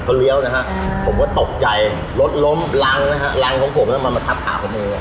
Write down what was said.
เค้าเลี้ยวนะฮะอืมผมว่าตกใจรถล้มรังนะฮะรังของผมเนี่ยมันประถัดสนุน